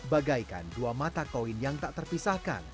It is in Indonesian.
bagaikan dua mata koin yang tak terpisahkan